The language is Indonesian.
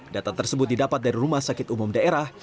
data tersebut didapat dari rumah sakit umum daerah